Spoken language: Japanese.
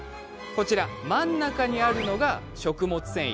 こちら、真ん中にあるのが食物繊維。